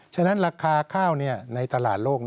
ฉะนั้นราคาข้าวในตลาดโลก